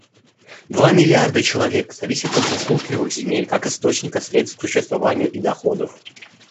Два миллиарда человек зависят от засушливых земель как источника средств к существованию и доходов.